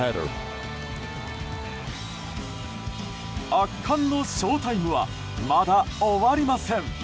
圧巻のショウタイムはまだ終わりません。